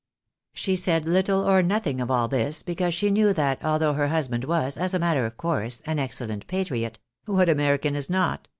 She said little or nothing of all this, because she knew that, although her husband was, as a matter of course, an excellent patriot (what American is not?)